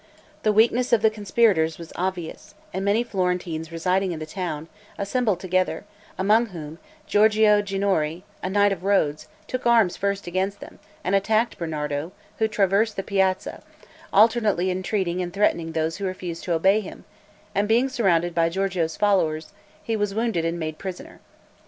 The weakness of the conspirators was obvious; and many Florentines residing in the town, assembled together, among whom, Giorgio Ginori, a knight of Rhodes, took arms first against them, and attacked Bernardo, who traversed the piazza, alternately entreating and threatening those who refused to obey him, and being surrounded by Giorgio's followers, he was wounded and made prisoner.